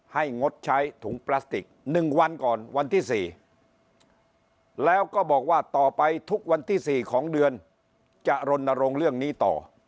งดใช้ถุงพลาสติก๑วันก่อนวันที่๔แล้วก็บอกว่าต่อไปทุกวันที่๔ของเดือนจะรณรงค์เรื่องนี้ต่อ